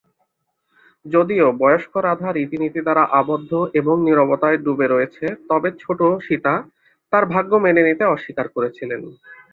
যদিও বয়স্ক রাধা রীতিনীতি দ্বারা আবদ্ধ এবং নীরবতায় ডুবে রয়েছে তবে ছোট সীতা তার ভাগ্য মেনে নিতে অস্বীকার করেছিলেন।